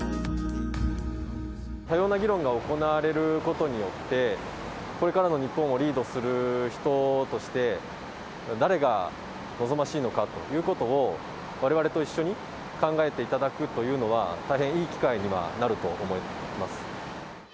多様な議論が行われることによって、これからの日本をリードする人として、誰が望ましいのかということを、われわれと一緒に考えていただくというのは、大変いい機会になると思います。